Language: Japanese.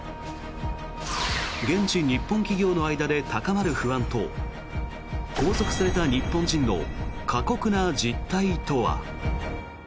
現地日本企業の間で高まる不安と拘束された日本人の過酷な実態とは。